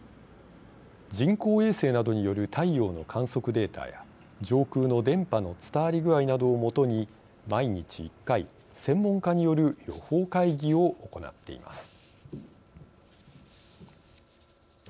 人工衛星などによる太陽の観測データや上空の電波の伝わり具合などを基に毎日１回、専門家による予報会議を行っています。